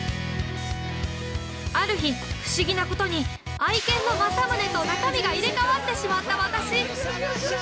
◆ある日不思議なことに愛犬のまさむねと中身が入れ替わってしまった私。